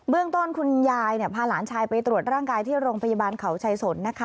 เบื้องต้นคุณยายเนี่ยพาหลานชายไปตรวจร่างกายที่รงพยาบาลเขาชัยศนนะคะ